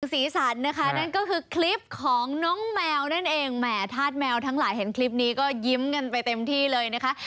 สีสันนะคะนั่นก็คือคลิปของน้องแมวนั่นเองแหมธาตุแมวทั้งหลายเห็นคลิปนี้ก็ยิ้มกันไปเต็มที่เลยนะคะ